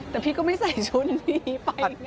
แต่พี่ก็ไม่ใส่ชุดนี้ไป